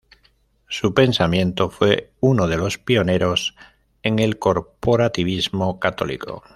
Su pensamiento fue uno de los pioneros en el corporativismo católico.